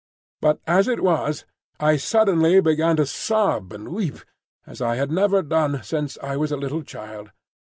But as it was I suddenly began to sob and weep, as I had never done since I was a little child.